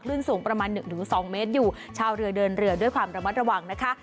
สูงประมาณหนึ่งถึงสองเมตรอยู่ชาวเรือเดินเรือด้วยความระมัดระวังนะคะ